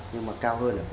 nhưng mà cao hơn là một